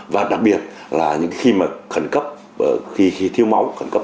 và đặc biệt là những khi mà khẩn cấp khi thiếu máu khẩn cấp